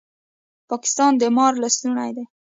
پاکستان د مار لستوڼی دی